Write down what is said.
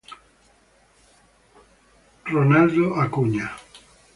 Ronald Acuña Jr.